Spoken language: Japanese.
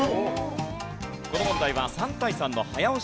この問題は３対３の早押し対決。